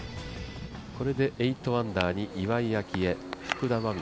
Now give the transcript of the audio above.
これで８アンダーに岩井明愛、福田真未。